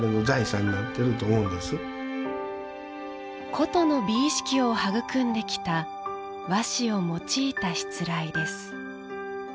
古都の美意識を育んできた和紙を用いたしつらいです。